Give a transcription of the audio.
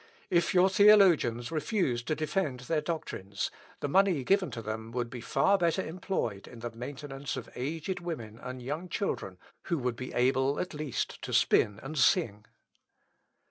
If your theologians refuse to defend their doctrines, the money given to them would be far better employed in the maintenance of aged women and young children who would be able at least to spin and sing."